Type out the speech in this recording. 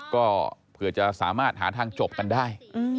ก็เผื่อจะสามารถหาทางจบกันได้